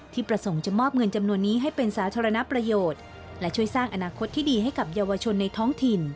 ประสงค์จะมอบเงินจำนวนนี้ให้เป็นสาธารณประโยชน์และช่วยสร้างอนาคตที่ดีให้กับเยาวชนในท้องถิ่น